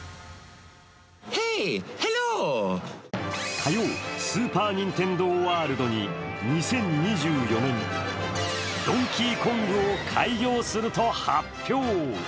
火曜、スーパー・ニンテンドー・ワールドに２０２４年、ドンキーコングを開業すると発表。